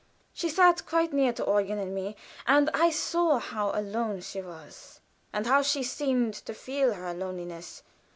She sat quite near to Eugen and me, and I saw how alone she was, and how she seemed to feel her loneliness.